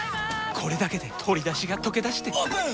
これだけで鶏だしがとけだしてオープン！